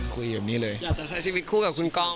คุยแบบนี้เลยอยากจะใช้ชีวิตคู่กับคุณกอง